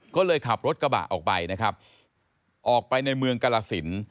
ก็เลยขับรถกระบะออกไปนะครับออกไปในเมืองกรสิน